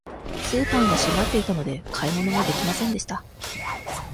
スーパーが閉まっていたので、買い物ができませんでした。